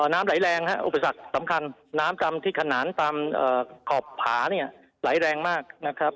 น้ำไหลแรงอุปสรรคสำคัญน้ำที่ขนานตามขอบผาไหลแรงมาก